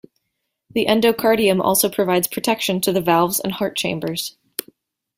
The endocardium also provides protection to the valves and heart chambers.